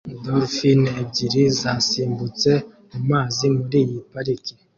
Dolphine ebyiri zasimbutse mu mazi muri iyi pariki